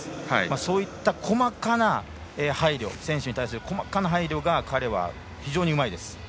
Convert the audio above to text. そういった細かな選手に対する配慮が彼は非常にうまいです。